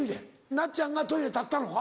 なっちゃんがトイレ立ったのか？